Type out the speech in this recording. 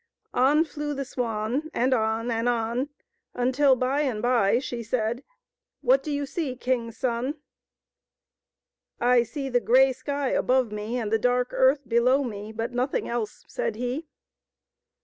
On flew the swan, and on and on, until, by and by, she said, " What do you see, king's son ?"" I see the grey sky above me and the dark earth below me, but nothing else," said he.